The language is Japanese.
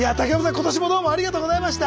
今年もどうもありがとうございました。